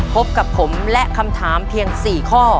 พบกับผมและคำถามเพียง๔ข้อ